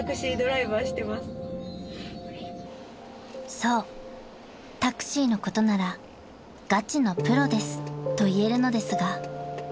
［そうタクシーのことなら「ガチのプロです」と言えるのですが］